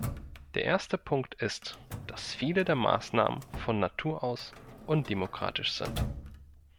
Der erste Punkt ist, dass viele der Maßnahmen von Natur aus undemokratisch sind.